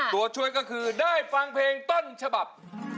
ตัวช่วยก็คือได้ฟังเพลงต้นฉบับ